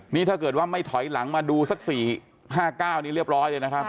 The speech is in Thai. นี่ถ้าเกิดว่าไม่ถอยหลังมาดูสัก๔๕๙นี้เรียบร้อยเลยนะครับ